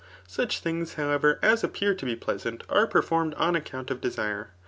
Such thiiigs,' however, as appear to be pleasant are performed on account of desire.